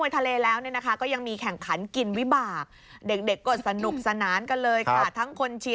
แต่กูเมื่อกี้ชกลมกันสักเยอะ